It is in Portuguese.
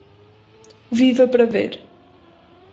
Viva para ver